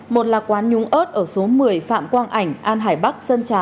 một là quán nhung ơt ở số một mươi phạm quang ảnh an hải bắc sơn trà